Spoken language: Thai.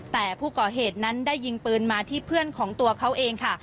แต่ผู้ก่อเหตุนั้นได้ยิงปืนมาที่เพื่อนของตัวเขาเองค่ะ